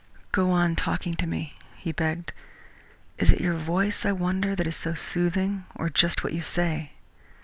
"Go on talking to me," he begged. "Is it your voice, I wonder, that is so soothing, or just what you say?"